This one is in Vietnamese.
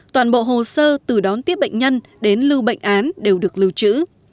toàn bộ hồ sơ từ đón tiếp bệnh nhân đến lưu bệnh án đều được lưu trữ